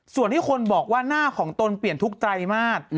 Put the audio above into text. ส่วนที่คนบอกว่าหน้าของตนเปลี่ยนทุกไตรมาส